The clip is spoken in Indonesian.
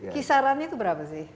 kisarannya itu berapa sih